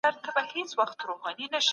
څارنوال د پېښې له لیدونکو پوښتني وکړې.